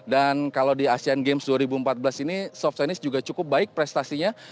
kalau di asean games dua ribu empat belas ini soft tennis juga cukup baik prestasinya